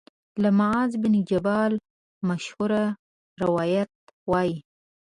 له معاذ بن جبل مشهور روایت وايي